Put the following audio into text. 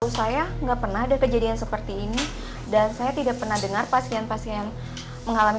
saya enggak pernah ada kejadian seperti ini dan saya tidak pernah dengar pasien pasien mengalami